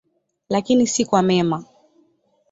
Lakini si kwa mema.